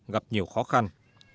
gặp nhiều khó khăn